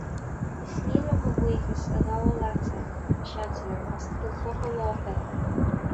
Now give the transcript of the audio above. Is mian liom mo bhuíochas a ghabháil leatsa, a Seansailéir, as do chuid focail lácha